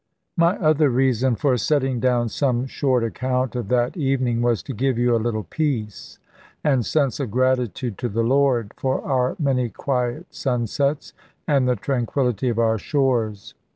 My other reason for setting down some short account of that evening was to give you a little peace, and sense of gratitude to the Lord, for our many quiet sunsets, and the tranquillity of our shores.